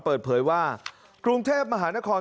เปิดเผยว่ากรุงเทพมหานคร